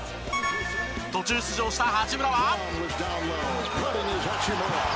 途中出場した八村は。